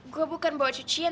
gua bukan bawa cucian